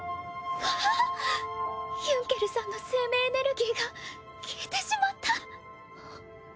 あぁヒュンケルさんの生命エネルギーが消えてしまった！